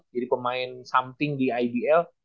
jadi pemain something di ibl